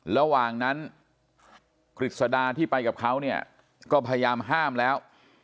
ระหว่างนั้นกฤษดาที่ไปกับเขาเนี่ยก็พยายามห้ามแล้ว